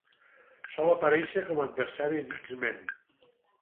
Sol aparèixer com a adversari d"X-Men.